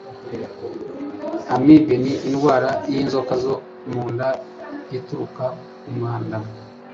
Amibe ni indwara y'inzoka zo munda ituruka ku mwanda.